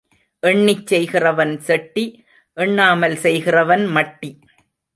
எண்ணிச் செய்கிறவன் செட்டி எண்ணாமல் செய்கிறவன் மட்டி.